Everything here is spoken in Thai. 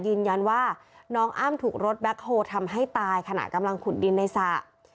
ยืนยันว่าน้องอ้ำถูกรถแบ็คโฮลทำให้ตายขณะกำลังขุดดินในสระ